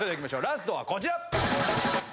ラストはこちら！